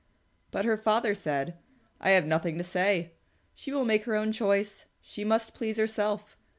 But her father said, "I have nothing to say. She will make her own choice. She must please herself.